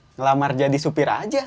ngelamar jadi supir aja